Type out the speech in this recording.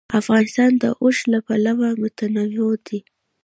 افغانستان د اوښ له پلوه متنوع دی.